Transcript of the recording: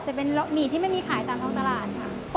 จะเป็นหมี่ที่ไม่มีขายตามท้องตลาดค่ะ